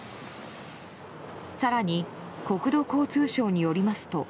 更に、国土交通省によりますと